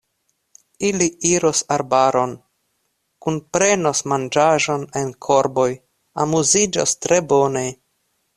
Ili iros arbaron, kunprenos manĝaĵon en korboj, amuziĝos tre bone.